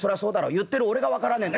言ってる俺が分からねえんだ」。